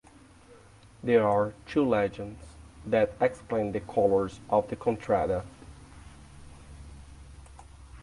There are two legends that explain the colors of the contrada.